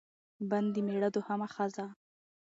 بن د مېړه دوهمه ښځه